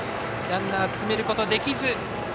ランナー進めることできず。